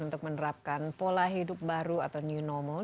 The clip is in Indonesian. untuk menerapkan pola hidup baru atau new normal